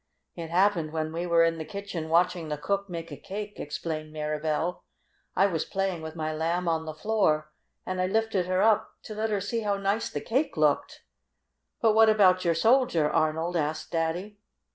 "It happened when we were in the kitchen watching the cook make a cake," explained Mirabell. "I was playing with my Lamb on the floor and I lifted her up to let her see how nice the cake looked." "But what about your Soldier, Arnold?" asked Daddy.